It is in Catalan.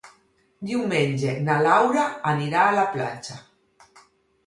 Diumenge na Laura anirà a la platja.